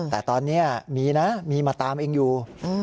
แต่ตอนนี้มีนะมีมาตามเองอยู่